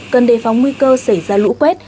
cần đề phòng nguy cơ xảy ra lũ quét